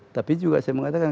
tapi juga saya mengatakan